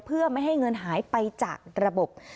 เพื่อไม่ให้เงินหายไปจากระบบ